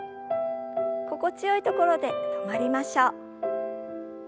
心地よいところで止まりましょう。